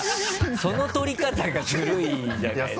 その取り方がずるいじゃないですか。